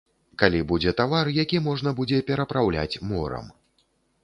Калі будзе тавар, які можна будзе перапраўляць морам.